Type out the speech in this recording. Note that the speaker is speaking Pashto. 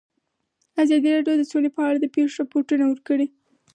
ازادي راډیو د سوله په اړه د پېښو رپوټونه ورکړي.